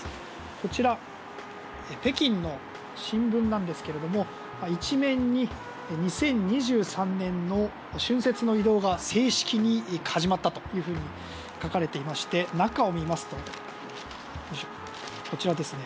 こちら、北京の新聞なんですが１面に２０２３年の春節の移動が正式に始まったと書かれていまして中を見ますと、こちらですね。